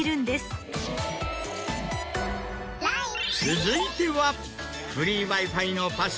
続いては。